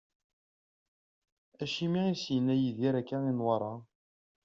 Acimi i as-yenna akka Yidir i Newwara?